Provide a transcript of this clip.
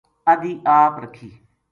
ادھی آپ رکھی